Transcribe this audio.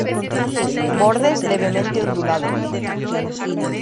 Bordes levemente ondulados.